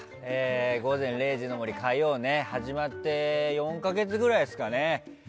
「午前０時の森」火曜が始まって４か月ぐらいですかね。